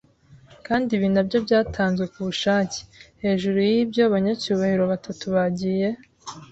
Kandi ibi nabyo byatanzwe kubushake. Hejuru yibyo banyacyubahiro batatu bagiye